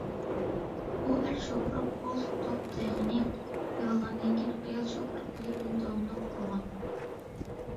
ئۇ ئەر شوپۇر گولف توپ تايىقىنى ئېلىۋالغاندىن كېيىن، ئايال شوپۇر قولى بىلەن داۋاملىق ئۇرغان.